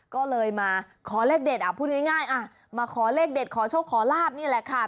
ก็เลยมาขอเลขเด็ดพูดง่ายมาขอเลขเด็ดขอโชคขอลาบนี่แหละค่ะ